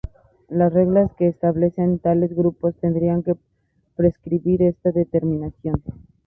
Las reglas que establecen tales grupos tendrían que prescribir esta determinación.